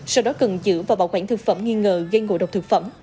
sau đó cần giữ và bảo quản thực phẩm nghi ngờ gây ngộ độc thực phẩm